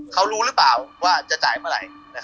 เขารู้หรือเปล่าว่าจะจ่ายเมื่อไหร่